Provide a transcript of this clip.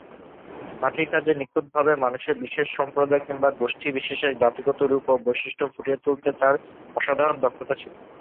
মাটির কাজে নিখুঁতভাবে মানুষের বিশেষ সম্প্রদায় কিংবা গোষ্ঠী-বিশেষের জাতিগত রূপ ও বৈশিষ্ট্য ফুটিয়ে তুলতে তার অসাধারণ দক্ষতা ছিল।